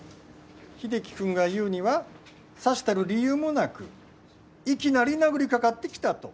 英樹君が言うにはさしたる理由もなくいきなり殴りかかってきたと。